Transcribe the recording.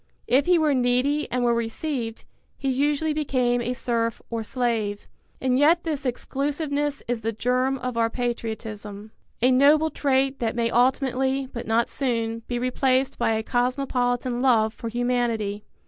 If he were needy and were received, he usually became a serf or slave. And yet this exclusiveness is the germ of our patriotism, a noble trait that may ultimately, but not soon, be replaced by a cosmopolitan love for humanity.